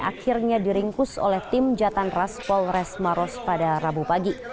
akhirnya diringkus oleh tim jatan ras polres maros pada rabu pagi